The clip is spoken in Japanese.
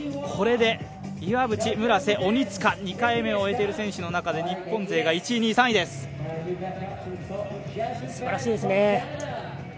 これで岩渕、鬼塚２回目を終えている選手の中ですばらしいですね。